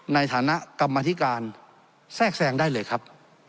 ในฐานะกรรมธิการแทรกแทรงได้เลยครับ